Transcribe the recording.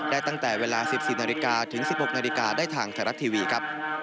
ได้ตั้งแต่เวลา๑๔นาทีถึง๑๖นาทีได้ทางแถวรักทีวีครับ